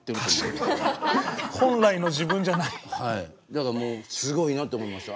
だからもうすごいなって思いますよ。